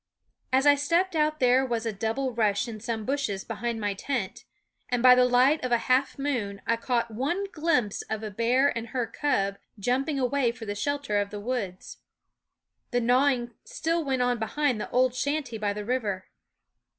As I stepped out there was a double rush in some bushes behind my tent, and by the light of a half moon I caught one glimpse of a bear and her cub jumping away for the shelter of the woods. The gnawing still went on behind the old shanty by the river.